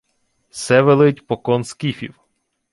— Се велить покон скіфів.